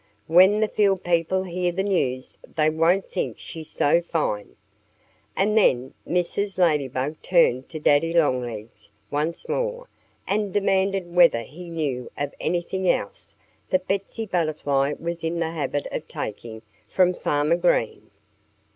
When the field people hear the news they won't think she's so fine." And then Mrs. Ladybug turned to Daddy Longlegs once more and demanded whether he knew of anything else that Betsy Butterfly was in the habit of taking from Farmer Green.